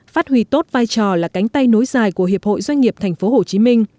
phát huy tốt vai trò là cánh tay nối dài của hiệp hội doanh nghiệp tp hcm